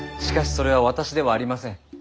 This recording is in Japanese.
しかしそれは私ではありません。